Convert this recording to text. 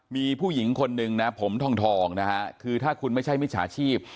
มีผู้หญิงคนหนึ่งนะผมทองนะฮะคือถ้าคุณไม่ใช่มิจฉาชีพ